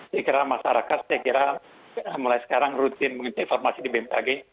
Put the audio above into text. saya kira masyarakat saya kira mulai sekarang rutin mengikuti informasi di bmkg